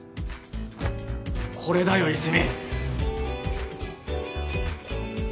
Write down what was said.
これだよ泉。